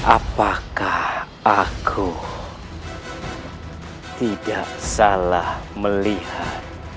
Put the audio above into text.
apakah aku tidak salah melihat